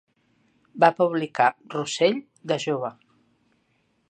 Va publicar "Russell" de jove.